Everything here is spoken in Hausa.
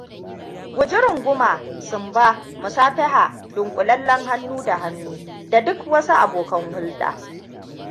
Guji runguma, sumba, musafiha, dunkulallen hannu da hannu, da duk wasu abokan hulɗa.